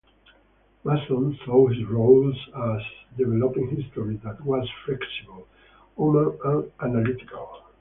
Mason saw his role as developing history that was flexible, humane and analytical.